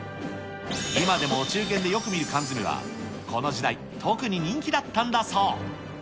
今でもお中元でよく見る缶詰はこの時代、特に人気だったんだそう。